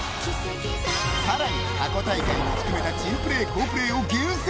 更に、過去大会を含めた珍プレー好プレーを厳選。